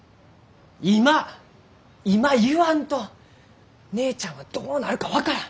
今今言わんと姉ちゃんはどうなるか分からん！